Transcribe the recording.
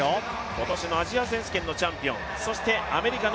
今年のアメリカ選手権のチャンピオン。